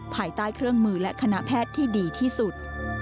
ภายใต้เครื่องมือและคณะแพทย์ที่ดีที่สุด